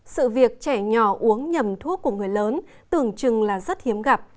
sự việc trẻ nhỏ uống nhầm thuốc của người lớn tưởng chừng là rất hiếm gặp